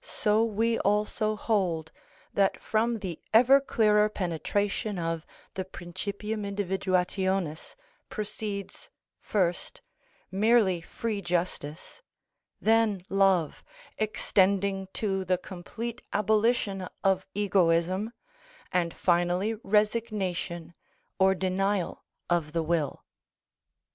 So we also hold that from the ever clearer penetration of the principium individuationis proceeds, first, merely free justice, then love, extending to the complete abolition of egoism, and finally resignation or denial of the will.